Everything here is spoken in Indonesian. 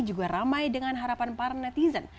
juga ramai dengan harapan para netizen